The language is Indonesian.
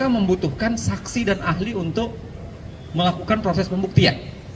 membutuhkan saksi dan ahli untuk melakukan proses pembuktian